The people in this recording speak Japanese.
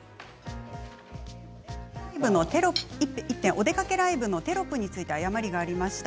「おでかけＬＩＶＥ」のテロップについて誤りがありました。